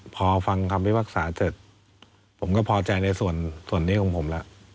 พอฟังคำพิพากษาเสร็จผมก็พอใจในส่วนนี้ของผมแล้ว